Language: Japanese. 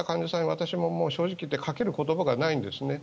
私も正直言ってかける言葉がないんです。